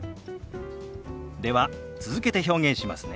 では続けて表現しますね。